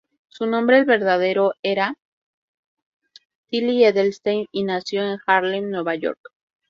Su nombre verdadero era Tilly Edelstein, y nació en Harlem, Nueva York.